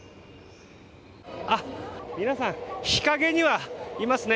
皆さん、日陰にはいますね。